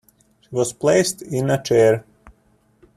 She was placed in a chair.